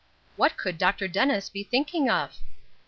"What could Dr. Dennis be thinking of?"